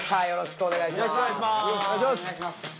よろしくお願いします。